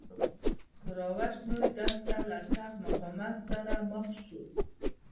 کوروش لوی دلته له سخت مقاومت سره مخ شو